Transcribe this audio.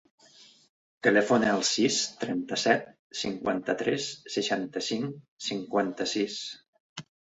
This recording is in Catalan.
Telefona al sis, trenta-set, cinquanta-tres, seixanta-cinc, cinquanta-sis.